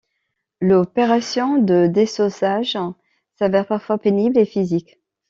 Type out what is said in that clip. L'opération de désossage s'avère parfois pénible, et physique.